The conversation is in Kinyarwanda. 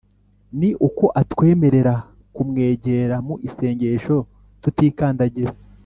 ni uko atwemerera kumwegera mu isengesho tutikandagira